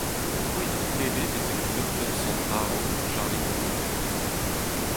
C’hwi n’oc’h ket bet betek feunteun Sant-Haran, Jarlig kozh ?…